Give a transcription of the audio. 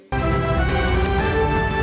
selamat berjuang genta dan lina